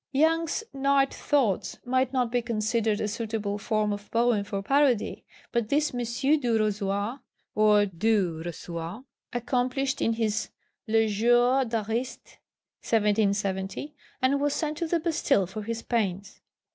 Young's Night Thoughts might not be considered a suitable form of poem for parody, but this M. Durosoi, or Du Rosoi, accomplished in his Les Jours d'Ariste (1770), and was sent to the Bastille for his pains.